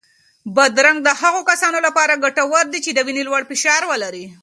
بادرنګ د هغو کسانو لپاره ګټور دی چې د وینې لوړ فشار لري.